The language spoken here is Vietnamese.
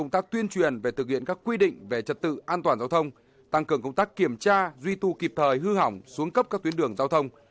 tăng cường công tác kiểm tra duy tù kịp thời hư hỏng xuống cấp các tuyến đường giao thông